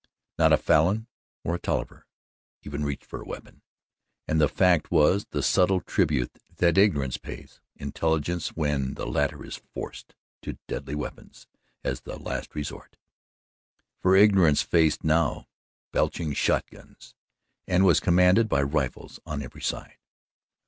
Not a Falin or a Tolliver even reached for a weapon, and the fact was the subtle tribute that ignorance pays intelligence when the latter is forced to deadly weapons as a last resort; for ignorance faced now belching shot guns and was commanded by rifles on every side.